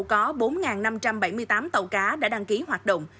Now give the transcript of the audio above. có bốn năm trăm bảy mươi tám tàu cá đã đăng ký hoạt động